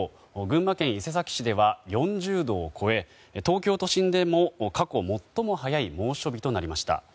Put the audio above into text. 群馬県伊勢崎市では４０度を超え東京都心でも過去最も早い猛暑日となりました。